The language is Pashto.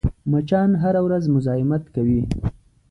مچان هره ورځ مزاحمت کوي